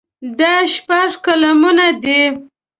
دا شپږ قلمونه دي.